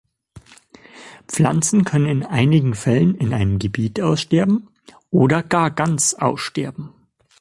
Pflanzen können in einigen Fällen in einem Gebiet aussterben oder gar ganz aussterben.